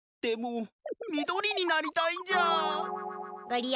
でもみどりになりたいんじゃあ。